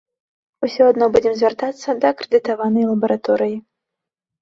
Усё адно будзем звяртацца да акрэдытаванай лабараторыі.